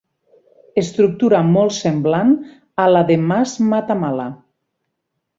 Estructura molt semblant a la de mas Matamala.